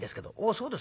『そうですか。